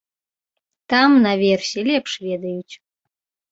Там, наверсе, лепш ведаюць.